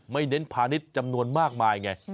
เน้นพาณิชย์จำนวนมากมายไง